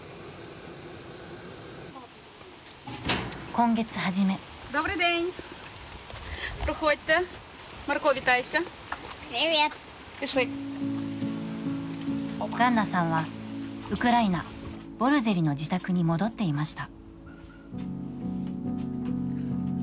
今月初めガンナさんはウクライナ・ボルゼリの自宅に戻っていました。